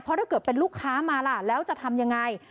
ถ้าเกิดเป็นลูกค้ามาล่ะแล้วจะทำยังไง